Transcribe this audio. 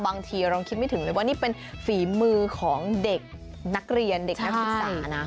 บางทีเราคิดไม่ถึงเลยว่านี่เป็นฝีมือของเด็กนักเรียนเด็กนักศึกษานะ